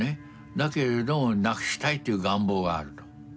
だけれどもなくしたいという願望があると。